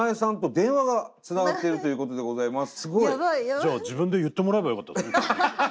じゃあ自分で言ってもらえばよかったですね。